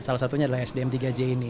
salah satunya adalah sdm tiga j ini